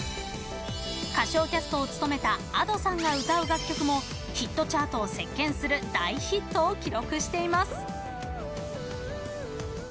歌唱キャストを務めたＡｄｏさんが歌う楽曲もヒットチャートを席巻する大ヒットを記録しています。